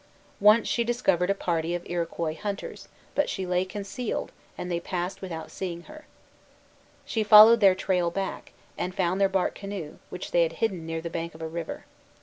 Once she discovered a party of Iroquois hunters; but she lay concealed, and they passed without seeing her. She followed their trail back, and found their bark canoe, which they had hidden near the bank of a river.